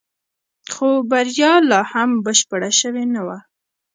خو بريا لا هم بشپړه شوې نه وه.